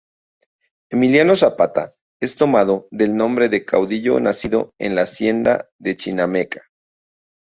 Emiliano Zapata es tomado del nombre del caudillo nacido en la Hacienda de Chinameca.